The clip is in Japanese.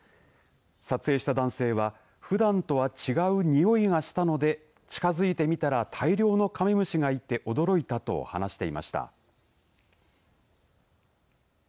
撮影した男性はふだんとは違う臭いがしたので近づいてみたら大量のカメムシがいて驚いたと話していました。